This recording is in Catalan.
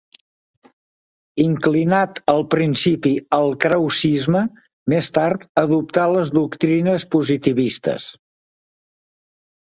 Inclinat al principi al krausisme, més tard adoptà les doctrines positivistes.